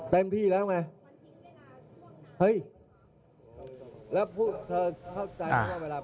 เต็มที่แล้วไง